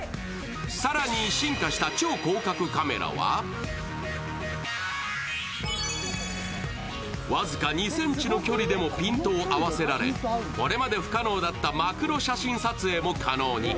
更に進化した超広角カメラは僅か２ｃｍの距離でもピントを合わせられこれまで不可能だったマクロ写真撮影も可能に。